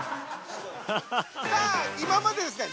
さあ今までですね